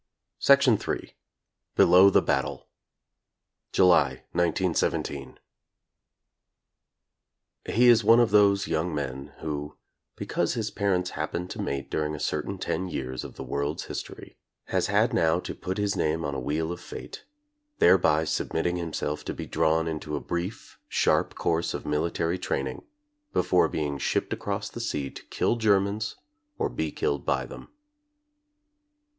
Ill BELOW THE BATTLE (July, 1917) He is one of those young men who, because his parents happened to mate during a certain ten years of the world's history, has had now to put his name on a wheel of fate, thereby submitting himself to be drawn into a brief sharp course of military training before being shipped across the sea to kill Germans or be killed by them.